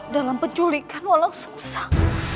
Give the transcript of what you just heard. dalam penculikan walang susah